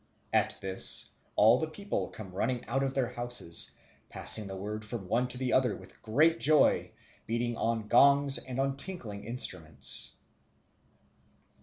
At this all the people come running out of their houses, passing the word from one to the other with great joy, beating on gongs and on tinkling instruments.